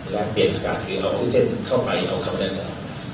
และเปลี่ยนอากาศคือเอาอุเซ็นเข้าไปเอาความอุดอาจารย์